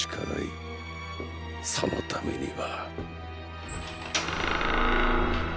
そのためには。